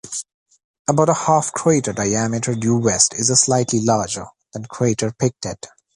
About a half crater diameter due west is the slightly larger crater Pictet.